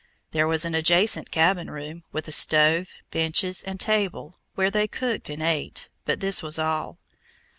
There was an adjacent cabin room, with a stove, benches, and table, where they cooked and ate, but this was all.